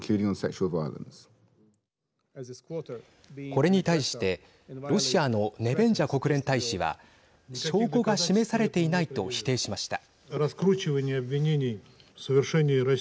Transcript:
これに対してロシアのネベンジャ国連大使は証拠が示されていないと否定しました。